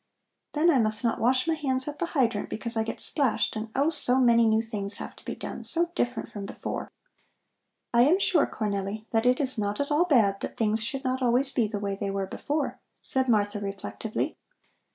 Then I must not wash my hands at the hydrant because I get splashed, and, oh, so many new things have to be done; so different from before." "I am sure, Cornelli, that it is not at all bad that things should not always be the way they were before," said Martha reflectively.